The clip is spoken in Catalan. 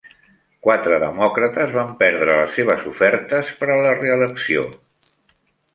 Quatre demòcrates van perdre les seves ofertes per a la reelecció.